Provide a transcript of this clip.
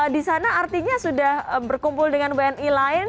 di sana artinya sudah berkumpul dengan wni lain